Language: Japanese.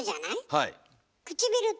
はい。